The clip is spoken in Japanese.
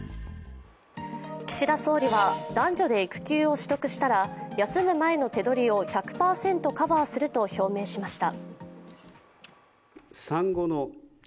岸田総理は男女で育休を取得したら、休む前の手取りを１００％カバーすると表明しました。